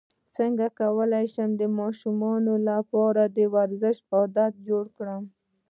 څنګه کولی شم د ماشومانو لپاره د ورزش عادت جوړ کړم